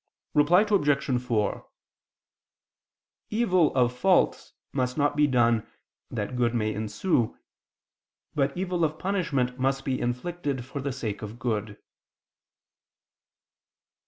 Reply Obj. 4: Evil of fault must not be done, that good may ensue; but evil of punishment must be inflicted for the sake of good.